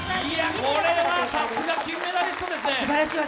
これはさすが金メダリストですね。